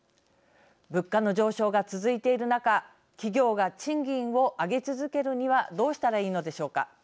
物価の上昇が続いている中企業が賃金を上げ続けるにはどうしたらいいのでしょうか。